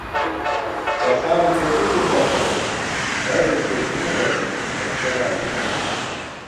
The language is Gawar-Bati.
څݪال فېدِی تِتہ خو، بئیں ݪی ژِی نہ بَمېت، دفتراں دی نہ بَمېت